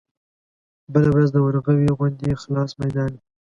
بله ورځ د ورغوي غوندې خلاص ميدان وي.